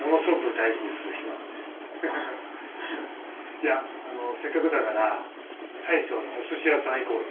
いやせっかくだから大将のお鮨屋さん行こうよ。